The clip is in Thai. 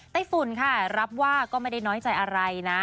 ฝุ่นค่ะรับว่าก็ไม่ได้น้อยใจอะไรนะ